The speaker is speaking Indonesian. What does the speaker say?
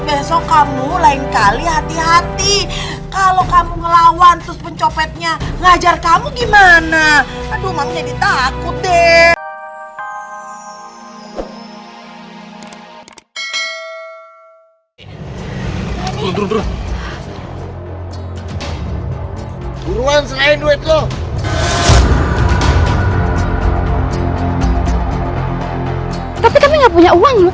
besok kamu lain kali hati hati kalau kamu ngelawan terus pencopetnya ngajar kamu gimana aduh maksudnya